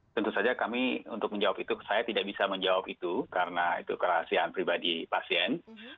tentu saja kami untuk menjawab itu saya tidak bisa menjawab itu karena itu kerahasiaan pribadi pasien